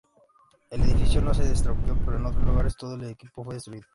El edificio no se estropeó, pero en otro lugar todo el equipo fue destruido.